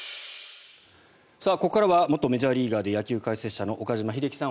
ここからは元メジャーリーガーで野球解説者の岡島秀樹さん